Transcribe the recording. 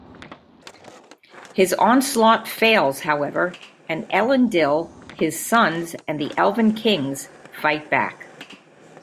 His onslaught fails, however, and Elendil, his sons, and the Elven kings fight back.